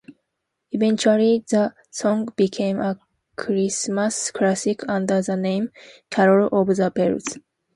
Eventually the song became a Christmas classic under the name "Carol of the Bells".